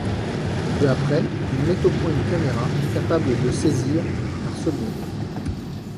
Peu après, il met au point une caméra capable de saisir par seconde.